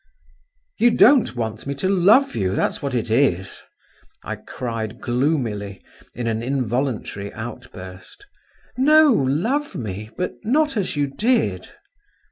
"You don't want me to love you, that's what it is!" I cried gloomily, in an involuntary outburst. "No, love me, but not as you did."